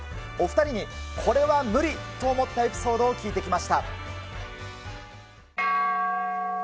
お２人に、これは無理と思ったエピソードを聞いてきました。